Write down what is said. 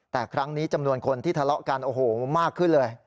แต่ครั้งนี้จำนวนคนที่ทะเลาะกันโอ้โหมากขึ้นเลย